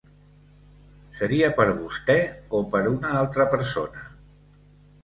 Seria per vostè, o per una altra persona?